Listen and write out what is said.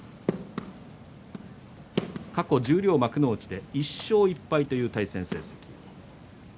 過去、十両、幕内で１勝１敗という対戦成績です。